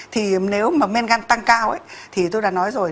thì nếu mà men gan tăng cao thì tôi đã nói rồi